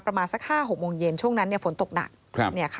ประมาณสัก๕๖โมงเย็นช่วงนั้นฝนตกหนัก